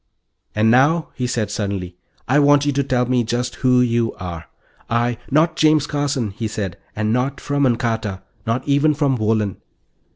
"And now," he said suddenly, "I want you to tell me just who you are." "I " "Not James Carson," he said. "And not from Ancarta. Not even from Wohlen."